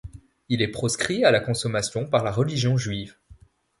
Il est proscrit à la consommation par la religion juive.